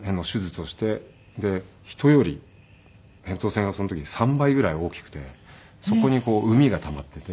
人より扁桃腺がその時３倍ぐらい大きくてそこにうみがたまっていて。